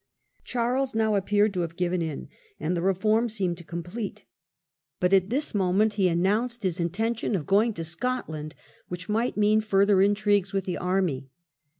Charles now appeared to have given in, and the reform seemed complete. But at this moment he announced his The king will intention of going to Scotland, which might Parifamen? mean further intrigues with the army.